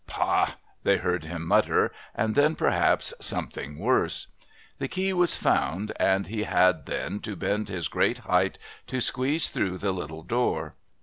"Pah!" they heard him mutter, and then, perhaps, something worse. The key was found, and he had then to bend his great height to squeeze through the little door.